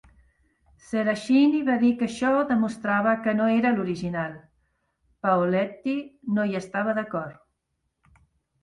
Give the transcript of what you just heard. Seracini va dir que això demostrava que no era l'original; Paoletti no hi estava d'acord.